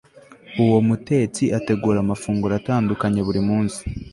Uwo mutetsi ategura amafunguro atandukanye buri munsi